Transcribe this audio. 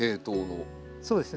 そうですね。